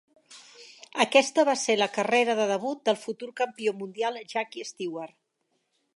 Aquesta va ser la carrera de debut del futur campió mundial Jackie Stewart.